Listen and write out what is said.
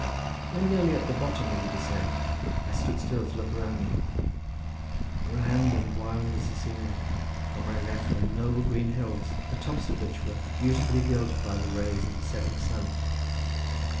When nearly at the bottom of the descent I stood still to look around me. Grand and wild was the scenery. On my left were noble green hills, the tops of which were beautifully gilded by the rays of the setting sun.